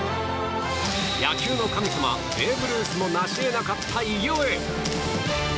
野球の神様ベーブ・ルースもなしえなかった偉業へ。